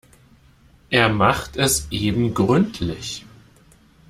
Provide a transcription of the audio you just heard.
Er macht es eben gründlich.